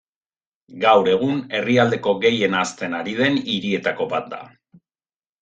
Gaur egun, herrialdeko gehien hazten ari den hirietako bat da.